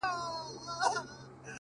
تا څه کول جانانه چي راغلی وې وه کور ته ـ